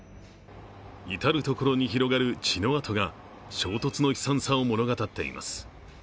至るところに広がる血の痕が衝突の悲惨さを物語っています。